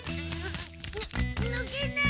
ぬぬけない。